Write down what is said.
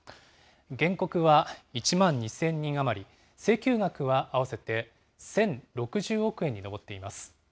原告は１万２０００人余り、請求額は合わせて１０６０億円に上っています。